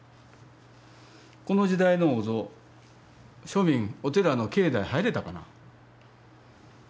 この時代のお像庶民お寺の境内入れたかな？